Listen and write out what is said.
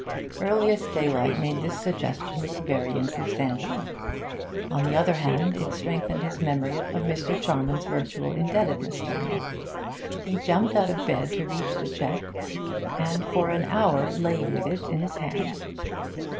Earliest daylight made this suggestion look very insubstantial; on the other hand, it strengthened his memory of Mr. Charman's virtual indebtedness to him. He jumped out of bed to reach the cheque, and for an hour lay with it in his hand.